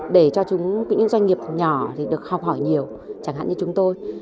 để cho những doanh nghiệp nhỏ thì được học hỏi nhiều chẳng hạn như chúng tôi